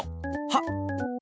はっ。